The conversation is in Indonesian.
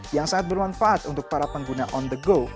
yang sangat bermanfaat untuk para pengguna on the go